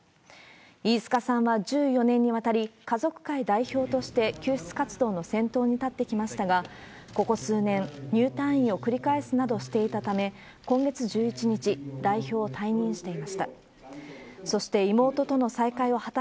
飯塚さんは１４年にわたり、家族会代表として救出活動の先頭に立ってきましたが、ここ数年、入退院を繰り返すなどしていたため、今月１１日、代表を退任していました。